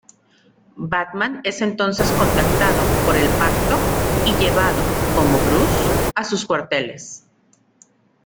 Batman es entonces contactado por el Pacto y llevado, como Bruce, a sus cuarteles.